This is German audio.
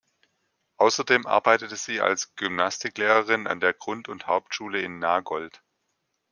Außerdem arbeitete sie als Gymnastiklehrerin an der Grund- und Hauptschule in Nagold.